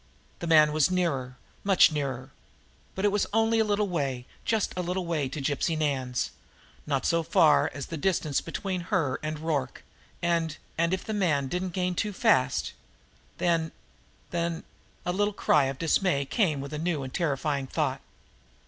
The man was nearer much nearer. But it was only a little way, just a little way, to Gypsy Nan's not so far as the distance between her and Rorke and and if the man didn't gain too fast, then then A little cry of dismay came with a new and terrifying thought.